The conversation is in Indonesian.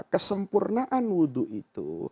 kesempurnaan wudu itu